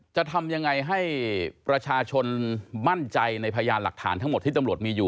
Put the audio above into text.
จะทำยังไงให้ประชาชนมั่นใจในพยานหลักฐานทั้งหมดที่ตำรวจมีอยู่